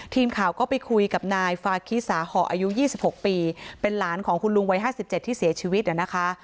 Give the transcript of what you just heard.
ทีมข่าวก็ไปคุยกับนายฟาคิสาห่ออายุ๒๖ปีเป็นหลานของคุณลุงวัย๕๗ที่เสียชีวิตนะคะ